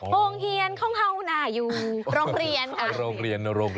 โฮงเฮียนของเขาอยู่โรงเรียน